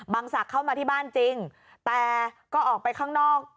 ศักดิ์เข้ามาที่บ้านจริงแต่ก็ออกไปข้างนอก